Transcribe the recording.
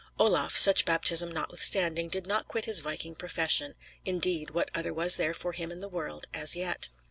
Olaf, such baptism notwithstanding, did not quit his viking profession; indeed, what other was there for him in the world as yet?